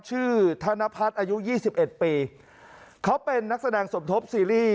ธนพัฒน์อายุยี่สิบเอ็ดปีเขาเป็นนักแสดงสมทบซีรีส์